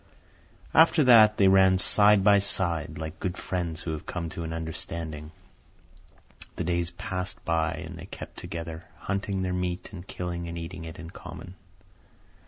After that they ran side by side, like good friends who have come to an understanding. The days passed by, and they kept together, hunting their meat and killing and eating it in common.